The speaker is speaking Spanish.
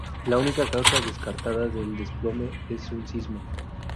La única causa descartada del desplome es un sismo.